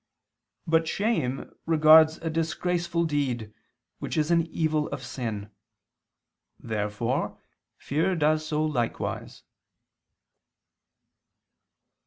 But shame regards a disgraceful deed, which is an evil of sin. Therefore fear does so likewise.